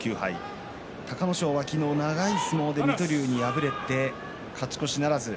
隆の勝は昨日、長い相撲で水戸龍に敗れて勝ち越しならず。